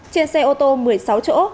trên xe ô tô một mươi sáu chỗ